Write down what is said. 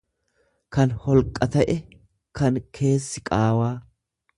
kan holqa ta'e, kan keessi qaawaa.